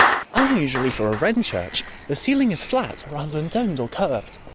Unusually for a Wren church, the ceiling is flat rather than domed or curved.